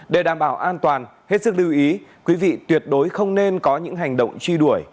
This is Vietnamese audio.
để đảm bảo an toàn hết sức lưu ý quý vị tuyệt đối không nên có những hành động truy đuổi